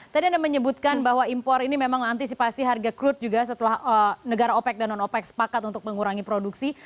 tadi anda menyebutkan bahwa impor ini memang antisipasi harga crude juga setelah negara opec dan non opec sepakat untuk mengurangi produksi